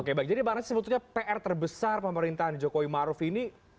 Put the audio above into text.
oke baik jadi bang razi sebetulnya pr terbesar pemerintahan jokowi maruf ini